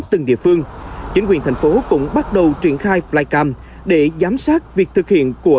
từng địa phương chính quyền thành phố cũng bắt đầu triển khai flycam để giám sát việc thực hiện của